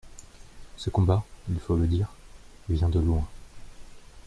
Ce combat – il faut le dire – vient de loin.